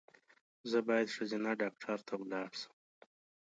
زه باید ښځېنه ډاکټر ته ولاړ شم